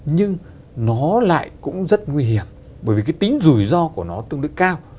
nhưng nó lại cũng rất nguy hiểm bởi vì cái tính rủi ro của nó tương đối cao